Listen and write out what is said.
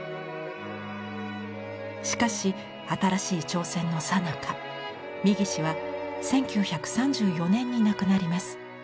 しかし新しい挑戦のさなか三岸は１９３４年に亡くなります。